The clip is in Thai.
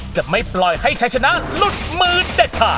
จะไม่ปล่อยให้ชัยชนะหลุดมือเด็ดขาด